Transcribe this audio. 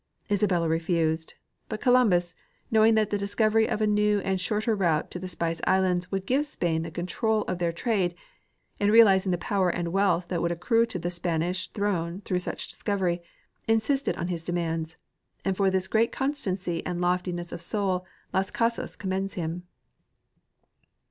Isabella refused, but Columbus, knowing that the discovery of a new and shorter route to the Spice islands would give Spain the control of their trade, and realizing the power and wealth that would accrue to the Spanish throne through such discovery, insisted on his de mands, and for this great constancy and loftiness of soul Las Casas commends him.